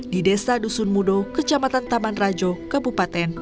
di desa dusun mudo kecamatan taman rajo kabupaten